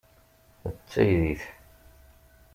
D taydit.